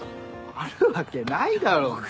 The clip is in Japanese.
あるわけないだろお前。